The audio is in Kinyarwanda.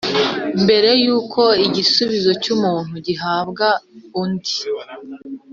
mbere y’uko igisubizo cy’umuntu gihabwa undi,